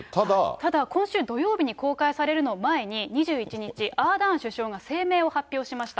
ただ、今週土曜日に公開されるのを前に２１日、アーダーン首相が声明を発表しました。